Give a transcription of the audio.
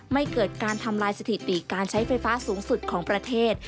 ไม่เกิดการทำลายสถิติการใช้ไฟฟ้าสูงสุดของประเทศ